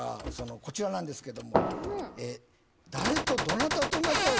こちらなんですけども。